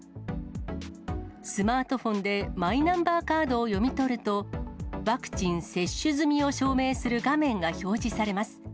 スマートフォンでマイナンバーカードを読み取ると、ワクチン接種済みを証明する画面が表示されます。